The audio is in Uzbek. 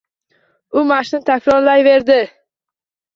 U mashqni takrorlayverdi.